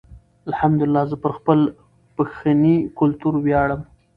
الحمدالله زه پر خپل پښنې کلتور ویاړم.